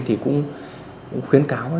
thì cũng khuyến cáo